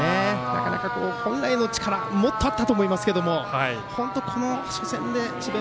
なかなか、本来の力もっとあったと思いますが本当、初戦で智弁